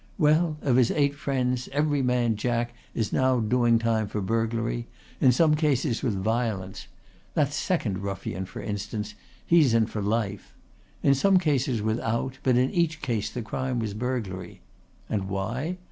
Well, of his eight friends every man jack is now doing time for burglary, in some cases with violence that second ruffian, for instance, he's in for life in some cases without, but in each case the crime was burglary. And why?